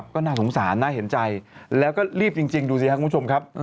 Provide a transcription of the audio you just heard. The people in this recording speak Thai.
ก็น่าสงสารน่าเห็นใจแล้วก็รีบจริงดูสิครับคุณผู้ชมครับ